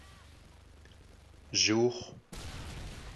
Jı vuxhu!